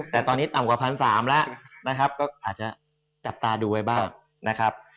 แต่ตอนนี้ต่ันกว่า๑๓๐๐บาทแล้วอาจจะจับตาดูไว้บ้าง